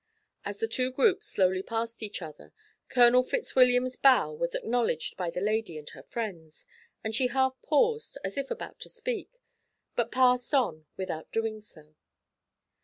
As the two groups slowly passed each other, Colonel Fitzwilliam's bow was acknowledged by the lady and her friends, and she half paused, as if about to speak, but passed on without doing so.